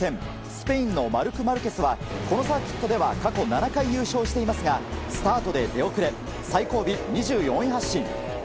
スペインのマルクス・マルケスはこのサーキットでは過去７回優勝していますがスタートで出遅れ最後尾２４位発進。